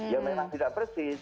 ya memang tidak persis